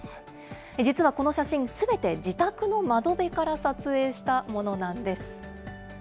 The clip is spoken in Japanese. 実はこの写真、すべて自宅の窓辺から撮影したものなんです。